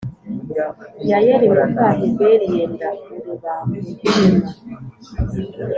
Yayeli Muka Heberi Yenda Urubambo Rw Ihema